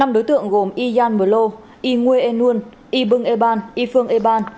năm đối tượng gồm yian mờ lô y nguê e nuân y bưng e ban y phương e ban